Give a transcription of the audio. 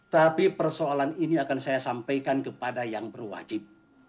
tapi persoalan ini akan saya sampaikan kepada yang berwajib